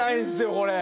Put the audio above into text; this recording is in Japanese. これ！